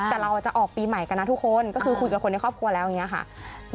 แต่เราจะออกปีใหม่กันนะทุกคนก็คือคุยกับคนในครอบครัวแล้วอย่างนี้ค่ะ